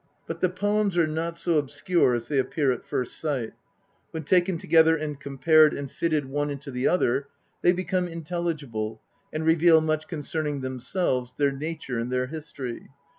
But the poems are not so obscure as they appear at first sight ; when taken together and compared and fitted one into the other they become intelligible and reveal much concerning themselves, their nature and their history.